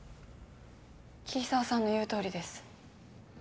桐沢さんの言うとおりです。